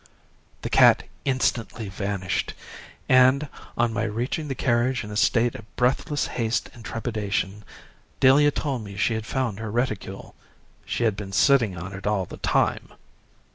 The cat instantly vanished, and, on my reaching the carriage in a state of breathless haste and trepidation, Delia told me she had found her reticule she had been sitting on it all the time!"